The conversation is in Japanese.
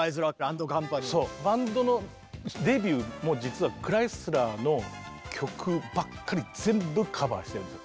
バンドのデビューも実はクライスラーの曲ばっかり全部カバーしてるんです。